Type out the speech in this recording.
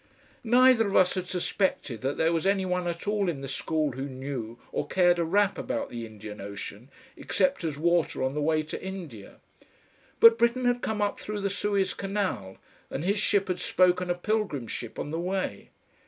Neither of us had suspected that there was any one at all in the school who knew or cared a rap about the Indian Ocean, except as water on the way to India. But Britten had come up through the Suez Canal, and his ship had spoken a pilgrim ship on the way.